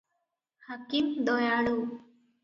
ହାକିମ ଦୟାଳୁ ।